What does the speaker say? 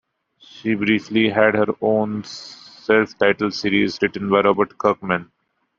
She briefly had her own self-titled series, written by Robert Kirkman.